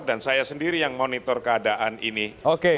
dan saya sendiri yang monitor keadaan ini